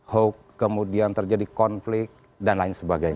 hoax kemudian terjadi konflik dan lain sebagainya